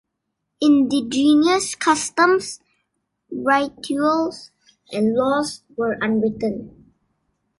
Indigenous customs, rituals and laws were unwritten.